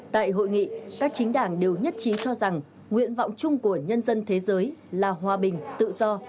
tại hội nghị các chính đảng đều nhất trí cho rằng nguyện vọng chung của nhân dân thế giới là hòa bình tự do